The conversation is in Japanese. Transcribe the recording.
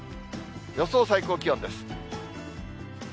予想最高気温です。